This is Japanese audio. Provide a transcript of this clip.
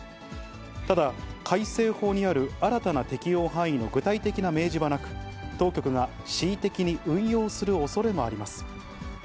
ただ、改正法にある新たな適用範囲の具体的な明示はなく、当局が恣意的に運用するおそれもあります。